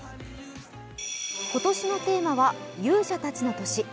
今年のテーマは「勇者たちの年」。